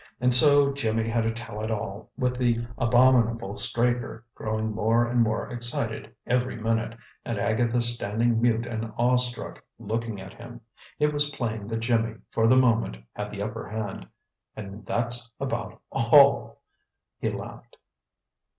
And so Jimmy had to tell it all, with the abominable Straker growing more and more excited every minute, and Agatha standing mute and awe struck, looking at him. It was plain that Jimmy, for the moment, had the upper hand. "And that's about all!" he laughed.